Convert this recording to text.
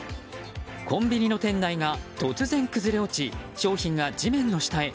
コンビニの店内が突然崩れ落ち商品が地面の下へ。